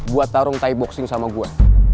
buat tarung thai boxing sama gue